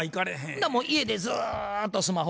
家でずっとスマホ。